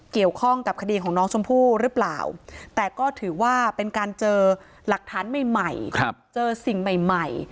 เกี่ยวข้องกับคดีของน้องชมพู่หรือเปล่าแต่ก็ถือว่าเป็นการเจอหลักฐานใหม่เจอสิ่งใหม่ใหม่